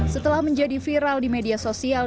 setelah menjadi viral di media sosial